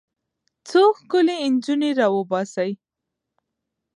څو ښکلې نجونې راوباسي.